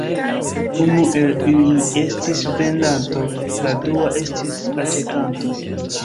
Unu el ili estis vendanto, la dua estis aĉetanto.